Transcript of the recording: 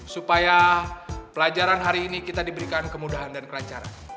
supaya pelajaran hari ini kita diberikan kemudahan dan kelancaran